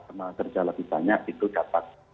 tenaga kerja lebih banyak itu dapat